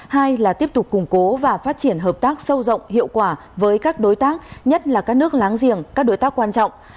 hai là tiếp tục củng cố và phát triển hợp tác sâu rộng hiệu quả với các đối tác nhất là các nước láng giềng các đối tác quan trọng